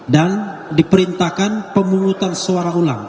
dan diperintahkan pemungutan suara ulang